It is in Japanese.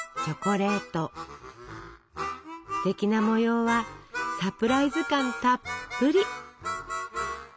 ステキな模様はサプライズ感たっぷり！